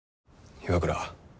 岩倉。